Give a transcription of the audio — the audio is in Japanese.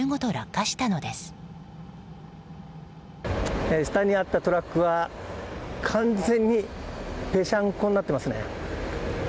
下にあったトラックは完全にぺしゃんこになってますね。